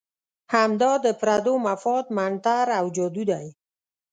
همدا د پردو مفاد منتر او جادو دی.